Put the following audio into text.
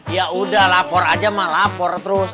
ya udah lapor aja mah lapor terus